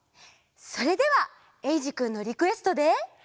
それではえいじくんのリクエストで。